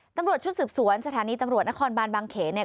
ตำรวจชุดสืบสวนสถานีตำรวจนครบานบางเขนเนี่ย